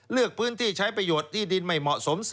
เลือกพื้นที่ใช้ประโยชน์ที่ดินไม่เหมาะสม